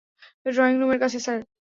Drawing রুমের কাছে sir.